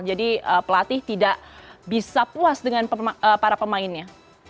jadi pelatih tidak bisa puas dengan para pemainnya